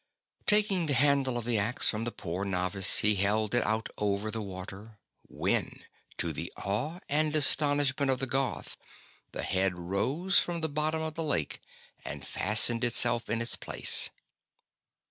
Taking the handle of the axe from the poor novice, he held it out over the water; when, to the awe and astonishment of the Goth, the head rose from the bottom of the lake and fastened itself in its place.